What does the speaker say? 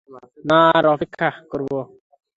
না আর অপেক্ষা করাবো।